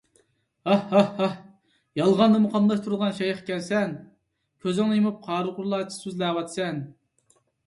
ھا! ھا! ھا! يالغاننىمۇ قاملاشتۇرىدىغان شەيخ ئىكەنسەن! كۆزۈڭنى يۇمۇپ قارىغۇلارچە سۆزلەۋاتىسەن.